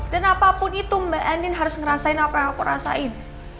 dan apapun itu mbak andin harus ngerasain apa yang aku rasain